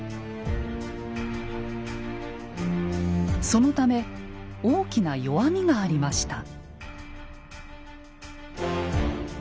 そのため大きな弱みがありました。